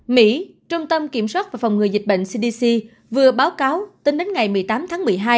mỹ trung tâm kiểm soát và phòng ngừa dịch bệnh cdc vừa báo cáo tính đến ngày một mươi tám tháng một mươi hai